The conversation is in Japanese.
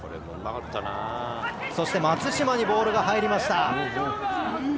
そして松島にボールが入りました。